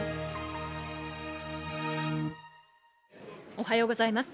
おはようございます。